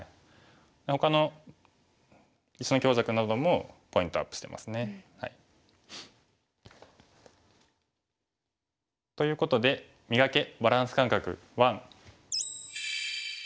ほかの石の強弱などもポイントアップしてますね。ということで「磨け！バランス感覚１」。